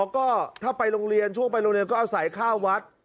ก็ถ้าไปโรงเรียนช่วงไปโรงเรียนก็อาศัยข้าววัด